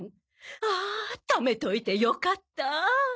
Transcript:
ああ貯めといてよかった。